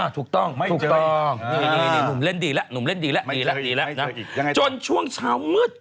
ถูกต้องไม่เจออีกนุ่มเล่นดีแล้วจนช่วงเช้ามืด